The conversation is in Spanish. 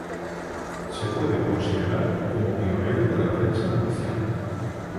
Se puede considerar como pionero de la prensa murciana.